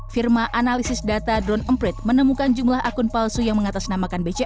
firma analisis data drone emprit menemukan jumlah akun palsu yang mengatasnamakan bca